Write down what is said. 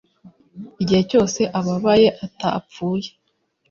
Igihe cyose ababaye atapfuye